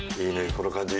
この感じ。